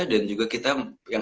dan juga kita